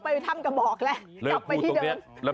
ที่ภาษาหน้านี้มันเลิกแล้ว